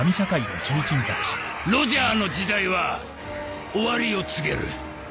ロジャーの時代は終わりを告げる。